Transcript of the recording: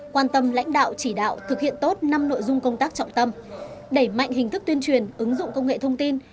quan tâm lãnh đạo chỉ đạo thực hiện tốt năm nội dung công tác trọng tâm đẩy mạnh hình thức tuyên truyền ứng dụng công nghệ thông tin